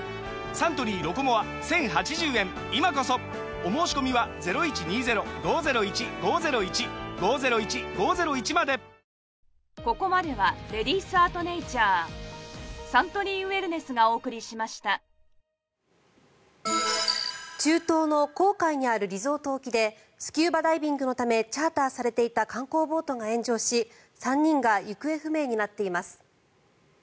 お申込みは中東の紅海にあるリゾート沖でスキューバダイビングのためチャーターされていた観光ボートが炎上し３人が行方不明になっています。